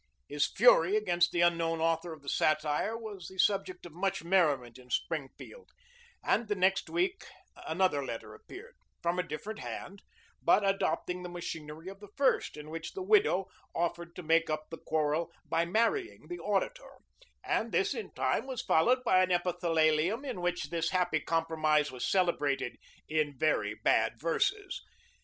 His fury against the unknown author of the satire was the subject of much merriment in Springfield, and the next week another letter appeared, from a different hand, but adopting the machinery of the first, in which the widow offered to make up the quarrel by marrying the Auditor, and this, in time, was followed by an epithalamium, in which this happy compromise was celebrated in very bad verses.